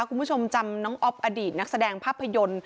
คุณผู้ชมจำน้องอ๊อฟอดีตนักแสดงภาพยนตร์